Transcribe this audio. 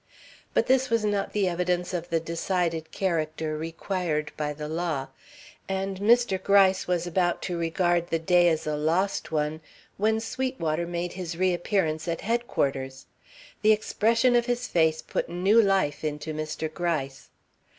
But this was not evidence of the decided character required by the law, and Mr. Gryce was about to regard the day as a lost one, when Sweetwater made his reappearance at Headquarters. The expression of his face put new life into Mr. Gryce.